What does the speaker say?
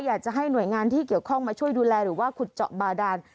อยากจะให้หน่วยงานที่เกี่ยวข้องมาช่วยดูแลหรือว่าขุดเจาะบาดาน